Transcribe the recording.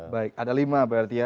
baik ada lima berarti ya